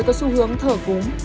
một vài người có xu hướng thờ cúng